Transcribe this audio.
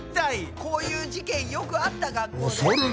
こういう事件よくあった学校で。